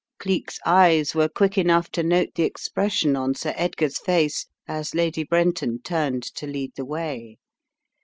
Cleek's eyes were quick enough to note the ex pression on Sir Edgar's face as Lady Brenton turned to lead the way.